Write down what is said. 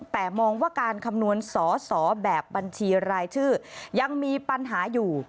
แต่มองว่าการคำนวณสอสอแบบบัญชีรายชื่อยังมีปัญหาอยู่